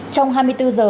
trong hai mươi bốn giờ